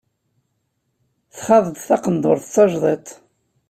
Txaḍ-d taqendurt d tajdiṭ.